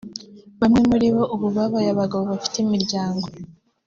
Bamwe muri bo ubu babaye abagabo bafite imiryango